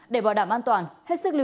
để bảo đảm an toàn hết sức